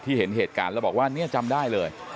เห็นเหตุการณ์แล้วบอกว่าเนี่ยจำได้เลย